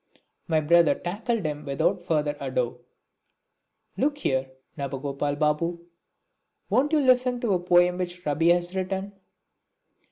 My brother tackled him without further ado: "Look here, Nabagopal Babu! won't you listen to a poem which Rabi has written?"